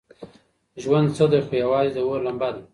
ژوند څه دی خو یوازې د اور لمبه ده.